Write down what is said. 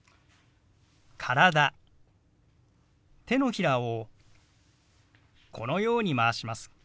手のひらをこのように回します。